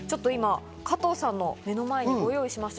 加藤さんの目の前にご用意しました。